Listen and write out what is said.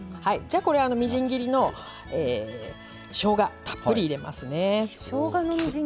みじん切りのしょうがたっぷり入れますね。